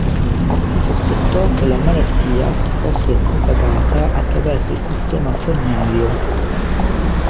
Si sospettò che la malattia si fosse propagata attraverso il sistema fognario.